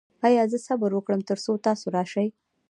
ایا زه صبر وکړم تر څو تاسو راشئ؟